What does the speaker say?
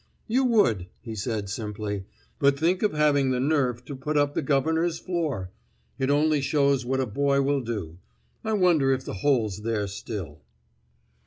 "You would," he said simply. "But think of having the nerve to pull up the governor's floor! It only shows what a boy will do. I wonder if the hole's there still!"